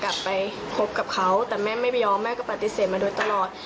กลับไปคบกับเขาแต่แม่ไม่ไม่ยอมแม่ก็ปฏิเสธมาโดยตลอด